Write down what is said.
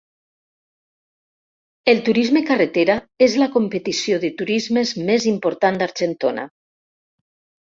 El Turisme Carretera és la competició de turismes més important d'Argentona.